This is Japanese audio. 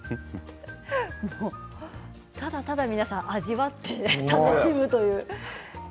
ただただ皆さん味わって楽しむという。